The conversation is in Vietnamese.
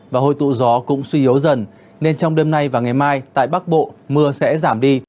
và hội tụ gió cũng suy yếu dần nên trong đêm nay và ngày mai tại bắc bộ mưa sẽ giảm đi